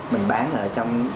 mình bán ở trong